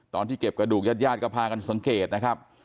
ตอนที่เก็บกระดูกญาติญาติก็พากันสังเกตนะครับ